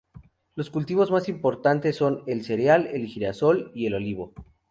Los cultivos más importantes son el cereal, el girasol y el olivo.